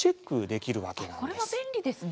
これは便利ですね。